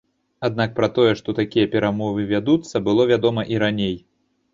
Аднак пра тое, што такія перамовы вядуцца, было вядома і раней.